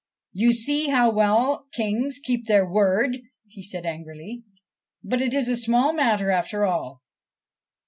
'You see how well kings keep their word,' it said angrily. ' But it is a small matter after all.